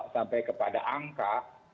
sampai kepada angka